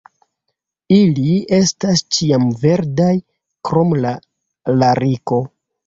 Ili estas ĉiamverdaj krom la lariko.